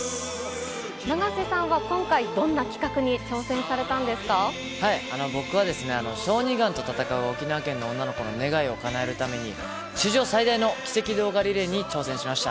永瀬さんは今回、僕はですね、小児がんと闘う沖縄県の女の子の願いをかなえるために、史上最大の奇跡動画リレーに挑戦しました。